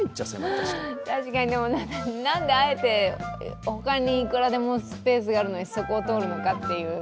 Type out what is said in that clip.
確かに、でも、何であえて、ほかにいくらでもスペースがあるのにそこを通るのかっていう。